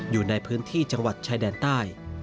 อยู่ในพื้นที่จังหวัดชายแดนใต้